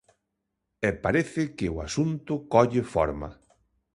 E parece que o asunto colle forma.